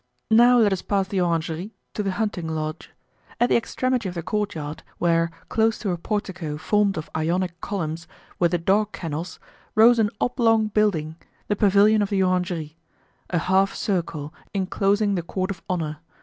Now let us pass the orangery to the hunting lodge. At the extremity of the courtyard, where, close to a portico formed of Ionic columns, were the dog kennels, rose an oblong building, the pavilion of the orangery, a half circle, inclosing the court of honor.